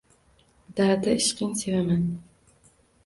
Dardi ishqing sevaman!